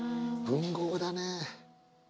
文豪だね。